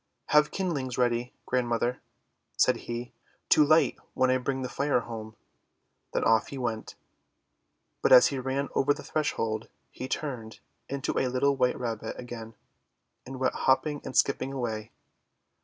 "Have kindlings ready, Grandmother," said he, "to light when I bring the Fire home." Then off he went. But as he ran over the threshold he turned into a little white Rabbit again, and went hopping and skipping away.